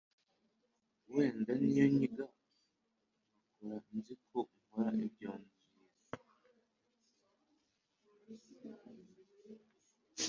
Wenda n'iyo nyiga, nkakora nzi ko nkora ibyo nize